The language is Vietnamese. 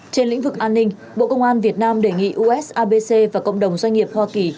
trên lĩnh vực an ninh bộ công an việt nam đề nghị usabc và cộng đồng doanh nghiệp hoa kỳ